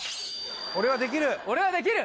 俺はできる！